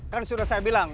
kan sudah saya bilang